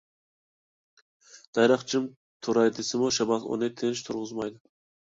دەرەخ جىم تۇراي دېسىمۇ، شامال ئۇنى تىنچ تۇرغۇزمايدۇ.